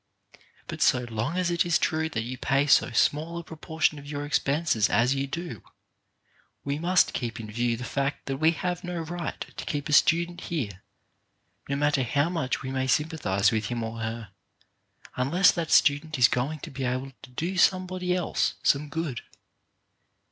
But so long as it is true that you pay so small a proportion of your expenses as you do, we must keep in view the fact that we have no right to keep a student here, no matter how much we may sympathize with him or her, unless that student is going to be able to do somebody else some good.